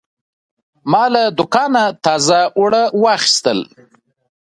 ما له دوکانه تازه اوړه واخیستل.